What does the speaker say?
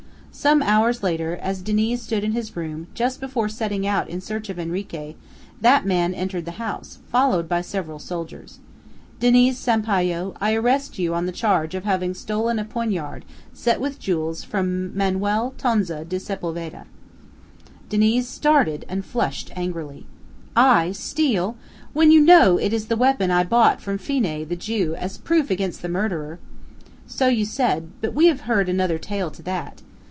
Some hours later, as Diniz stood in his room, just before setting out in search of Henrique, that man entered the house, followed by several soldiers. "Diniz Sampayo, I arrest you on the charge of having stolen a poignard, set with jewels, from Manuel Tonza de Sepulveda." Diniz started, and flushed angrily. "I steal? When you know it is the weapon I bought from Phenee, the Jew, as proof against the murderer." "So you said; but we have heard another tale to that.